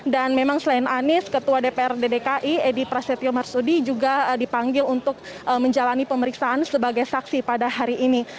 dan memang selain anies ketua dpr dki edi prasetyo marsudi juga dipanggil untuk menjalani pemeriksaan sebagai saksi pada hari ini